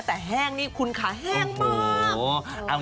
แต่แห้งนี่คุณค่ะแห้งมาก